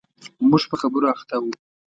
موږ په خبرو اخته و.